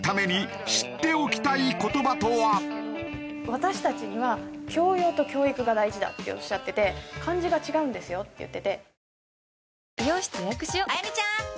「私たちには教養と教育が大事だ」っておっしゃってて「漢字が違うんですよ」って言ってて。